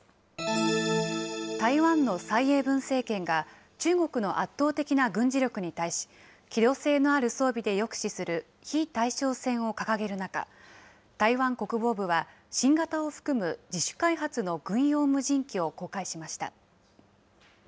台湾の蔡英文政権が、中国の圧倒的な軍事力に対し、機動性のある装備で抑止する非対称戦を掲げる中、台湾国防部は新型を含む自主開発の軍用無人機を公開しました。